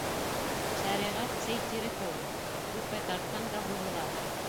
Шәриғәт сей тире кеүек: күпме тартһаң да һуҙыла.